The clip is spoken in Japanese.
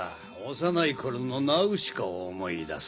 幼い頃のナウシカを思い出す。